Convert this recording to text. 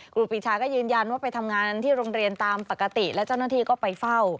ครูปีชาก็ยืนยันว่าไปทำงานที่โรงเรียนตามปกติและเจ้าหน้าที่ก็ไปเฝ้า